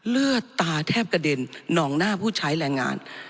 เลือดตาแทบกระเด็นหนองหน้าผู้ใช้แรงงาน